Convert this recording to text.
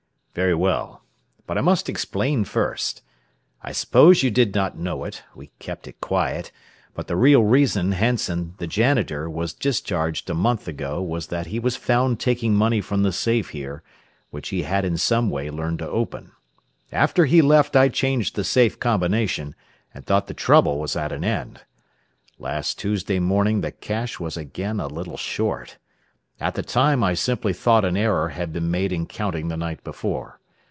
"Very well. But I must explain first. I suppose you did not know it we kept it quiet but the real reason Hansen, the janitor, was discharged a month ago was that he was found taking money from the safe here, which he had in some way learned to open. After he left I changed the safe combination, and thought the trouble was at an end. "Last Tuesday morning the cash was again a little short. At the time I simply thought an error had been made in counting the night before.